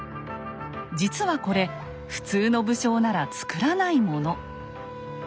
実はこれ普通の武将ならつくらないもの。